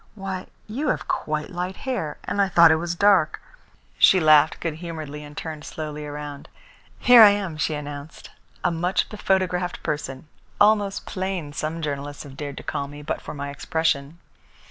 Why, you have quite light hair, and I thought it was dark!" She laughed good humouredly and turned slowly around. "Here I am," she announced, "a much bephotographed person. Almost plain, some journalists have dared to call me, but for my expression.